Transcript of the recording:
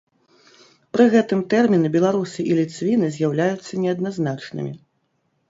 Пры гэтым тэрміны беларусы і ліцвіны з'яўляюцца неадназначнымі.